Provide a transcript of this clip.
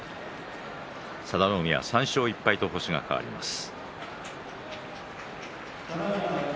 佐田の海は３勝１敗と星が変わりました。